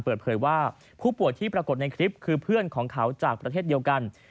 เปิดเผยว่าผู้ป่วยที่ปรากฏในคลิปคือเพื่อนของเขาจากประเทศเดียวกัน